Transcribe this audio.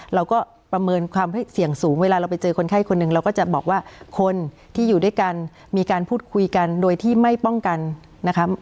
เราก็ประเมินความเสี่ยงสูงเวลาเราไปเจอคนไข้คนหนึ่งเราก็จะบอกว่าคนที่อยู่ด้วยกันมีการพูดคุยกันโดยที่ไม่ป้องกันนะคะ